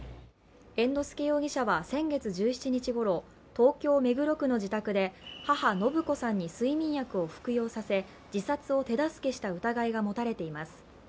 猿之助容疑者は先月１７日ごろ東京・目黒区の自宅で母・延子さんに睡眠薬を服用させ自殺を手助けした疑いが持たれています。